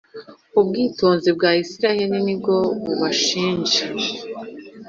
Ubwibone bw Abisirayeli ni bwo bubashinja